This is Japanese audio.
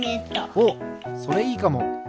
おっそれいいかも！